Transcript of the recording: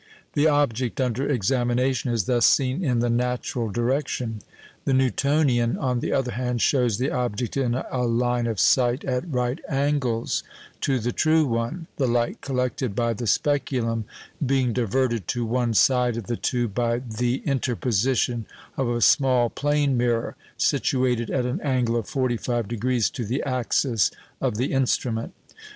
The object under examination is thus seen in the natural direction. The "Newtonian," on the other hand, shows the object in a line of sight at right angles to the true one, the light collected by the speculum being diverted to one side of the tube by the interposition of a small plane mirror, situated at an angle of 45° to the axis of the instrument.